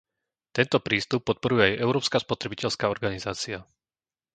Tento prístup podporuje aj európska spotrebiteľská organizácia.